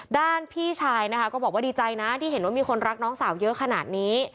พี่ชายนะคะก็บอกว่าดีใจนะที่เห็นว่ามีคนรักน้องสาวเยอะขนาดนี้